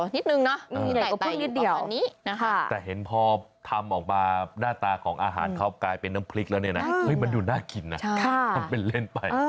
นิดหนึ่งนะใหญ่กว่าเพิ่งนิดเดียวแต่เห็นพอทำออกมาหน้าตาของอาหารกลายเป็นน้ำพริกแล้วเนี่ยมันดูน่ากินน่ะทำเป็นเล่นไป